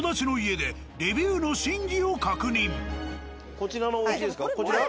こちらのおうちですか？